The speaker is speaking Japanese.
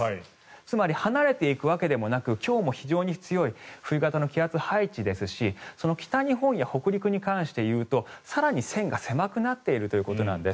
つまり離れていくわけでもなく今日も非常に強い冬型の気圧配置ですしその北日本や北陸に関して言うと更に線が狭くなっているということなんです。